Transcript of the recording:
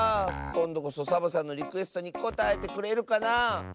こんどこそサボさんのリクエストにこたえてくれるかなあ。